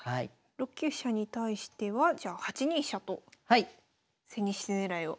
６九飛車に対してはじゃあ８二飛車と千日手狙いを。